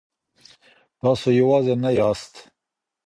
تاسو يوازي نه ياست.